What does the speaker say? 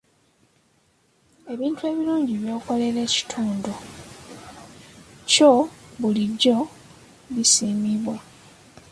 Ebintu ebirungi by'okolera ekitundu kyo bulijjo bisiimibwa.